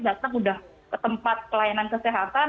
datang udah ke tempat pelayanan kesehatan